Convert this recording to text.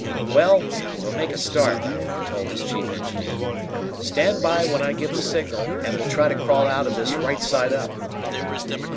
"Well, we'll make a start," he told his chief engineer. "Stand by when I give the signal, and we'll try to crawl out of this right side up."